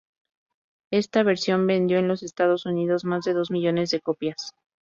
Esta versión vendió en los Estados Unidos más de dos millones de copias.